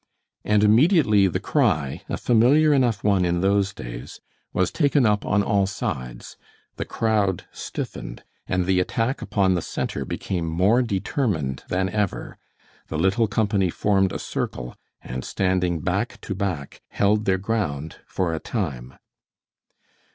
And immediately the cry, a familiar enough one in those days, was taken up on all sides. The crowd stiffened, and the attack upon the center became more determined than ever. The little company formed a circle, and standing back to back, held their ground for a time.